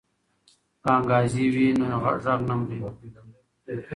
که انګازې وي نو غږ نه مري.